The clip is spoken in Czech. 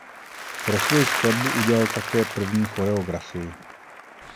Pro svoji skladbu udělal také první choreografii.